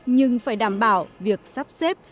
nhưng phải đảm bảo việc sắp xếp